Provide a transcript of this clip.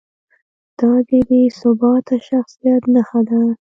دا د بې ثباته شخصیت نښه ده.